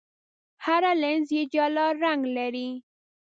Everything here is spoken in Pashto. هر لینز یې جلا رنګ لري.